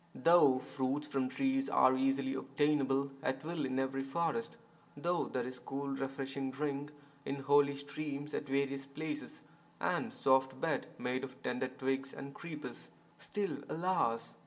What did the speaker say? Though fruits from trees are easily obtainable at will in every forest, though there is cool refreshing drink 22 VAIRAGYA SATAKAM in holy streams at various places and soft bed made of tender twigs and creepers, still (alas!)